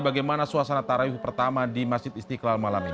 bagaimana suasana tarayuh pertama di masjid istiqlal malam ini